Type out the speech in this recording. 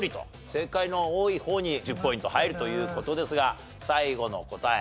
正解の多い方に１０ポイント入るという事ですが最後の答え